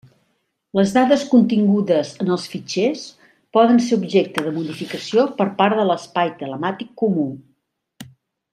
Les dades contingudes en els fitxers poden ser objecte de modificació per part de l'Espai Telemàtic Comú.